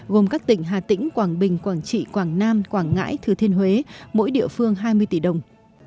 gồm các tỉnh hà tĩnh quảng bình quảng trị quảng nam quảng ngãi thừa thiên huế mỗi địa phương hai mươi tỷ đồng